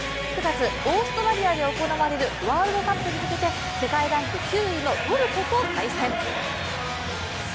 ９月、オーストラリアで行われるワールドカップに向けて世界ランク９位のトルコと対戦。